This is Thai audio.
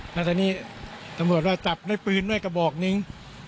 แล้วตอนนี้ตำรวจว่าจับด้วยปืนด้วยกระบอกนึง